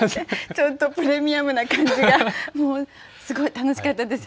ちょっとプレミアムな感じが、もう、すごい楽しかったです。